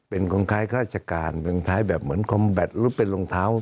เป็นคนคล้ายฆาติการเป็นคนคล้ายแบบเหมือนคอมแบตหรือเป็นรองเท้า